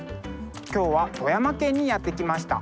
今日は富山県にやって来ました。